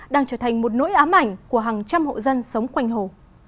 đang trở thành một nỗi ám ảnh của hàng trăm hộ dân sống quanh hồ